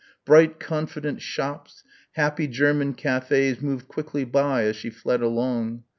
Bright confident shops, happy German cafés moved quickly by as she fled along.